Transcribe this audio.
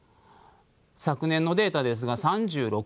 昨年のデータですが３６位。